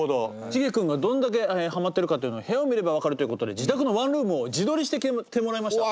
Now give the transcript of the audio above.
シゲ君がどんだけハマってるかっていうのを部屋を見れば分かるっていうことで自宅のワンルームを自撮りしてきてもらいました。